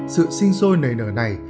sự sinh sôi nảy nở này